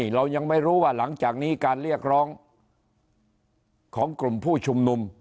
เรายังไม่รู้ว่าหลังจากนี้การเรียกร้องของกลุ่มผู้ชุมนุม